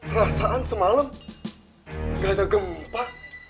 perasaan semalam gak ada gempa